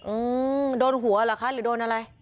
อืมโดนหัวเหรอคะหรือโดนอะไร